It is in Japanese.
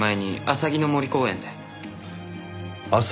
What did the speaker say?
あさぎの森公園？